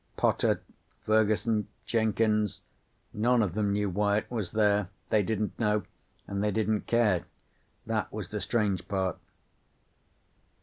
Potter, Fergusson, Jenkins, none of them knew why it was there. They didn't know and they didn't care. That was the strange part.